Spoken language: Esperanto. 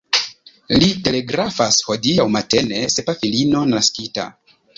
Li telegrafas: « Hodiaŭ matene sepa filino naskita ».